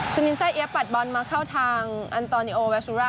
สินีทไซ่เอี๊ยะปัดบอลมาเข้าทางอันตรอนิโออวาซุ่ระ